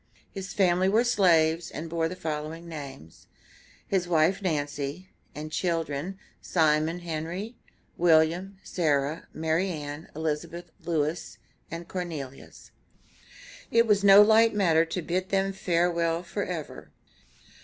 His family were slaves, and bore the following names: his wife, Nancy, and children, Simon Henry, William, Sarah, Mary Ann, Elizabeth, Louis, and Cornelius. It was no light matter to bid them farewell forever.